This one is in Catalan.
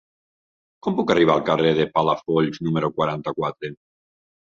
Com puc arribar al carrer de Palafolls número quaranta-quatre?